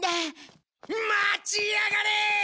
待ちやがれー！